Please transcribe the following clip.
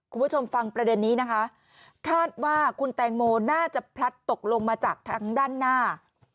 คุณผู้ชมฟังประเด็นนี้นะคะคาดว่าคุณแตงโมน่าจะพลัดตกลงมาจากทางด้านหน้า